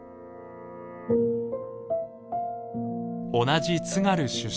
同じ津軽出身。